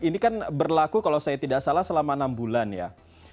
ini kan berlaku kalau saya tidak salah selama enam bulan ya